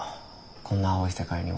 こんな蒼い世界には。